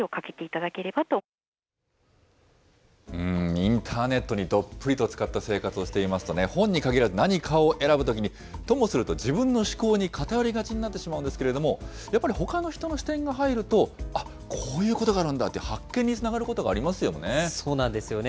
インターネットにどっぷりとつかった生活をしていますとね、本に限らず、何かを選ぶときに、ともすると自分のしこうに偏りがちになってしまうんですけれども、やっぱりほかの人の視点が入ると、あっ、こういうことがあるんだっていう発見につながることがありますよね。